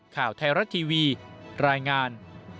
ข่าวไทยรัฐทีวีรายงาน